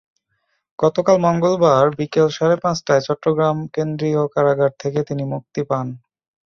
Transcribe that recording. গতকাল মঙ্গলবার বিকেল সাড়ে পাঁচটায় চট্টগ্রাম কেন্দ্রীয় কারাগার থেকে তিনি মুক্তি পান।